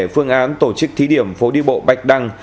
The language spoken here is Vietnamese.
phương án tổ chức thi điểm phố đi bộ bạch đằng